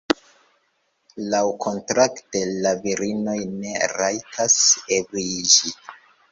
Laŭkontrakte la virinoj ne rajtas ebriiĝi.